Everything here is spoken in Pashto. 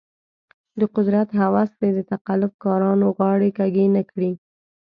د قدرت هوس دې د تقلب کارانو غاړې کږې نه کړي.